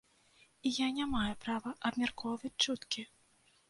І я не маю права абмяркоўваць чуткі.